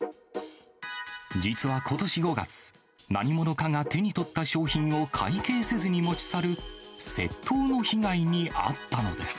実はことし５月、何者かが手に取った商品を会計せずに持ち去る窃盗の被害に遭ったのです。